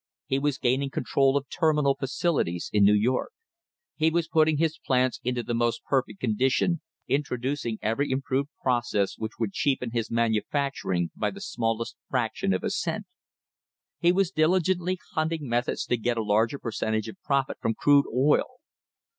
He was gaining control of terminal facilities in New York. He was putting his plants into the most perfect condition, introducing every improved process which would cheapen his manufacturing by the smallest fraction of a cent. He was diligently hunting methods to get a larger percentage of profit from crude oil.